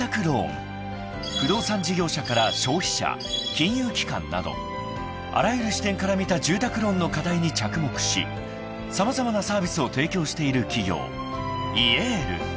［不動産事業者から消費者金融機関などあらゆる視点から見た住宅ローンの課題に着目し様々なサービスを提供している企業ｉＹｅｌｌ］